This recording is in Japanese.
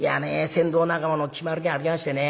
船頭仲間の決まりがありましてね